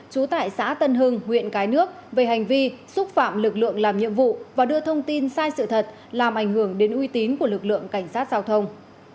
trú tại xã tân hưng huyện cái nước về hành vi xúc phạm lực lượng làm nhiệm vụ và đưa thông tin sai sự thật làm ảnh hưởng đến uy tín của lực lượng cảnh sát giao thông